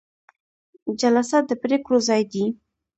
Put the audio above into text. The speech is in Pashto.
جلسه د پریکړو ځای دی